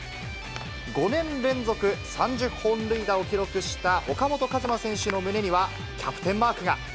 ５年連続３０本塁打を記録した岡本和真選手の胸には、キャプテンマークが。